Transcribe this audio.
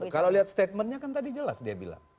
kalau lihat statementnya kan tadi jelas dia bilang